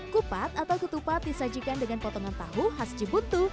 kupat atau ketupat disajikan dengan potongan tahu khas jebutu